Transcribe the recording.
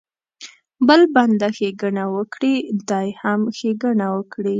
بل بنده ښېګڼه وکړي دی هم ښېګڼه وکړي.